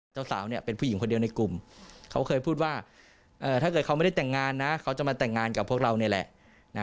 เจ้าสาวเนี่ยเป็นผู้หญิงคนเดียวในกลุ่มเขาเคยพูดว่าถ้าเกิดเขาไม่ได้แต่งงานนะเขาจะมาแต่งงานกับพวกเรานี่แหละ